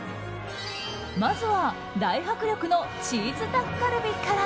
まずは大迫力のチーズタッカルビから。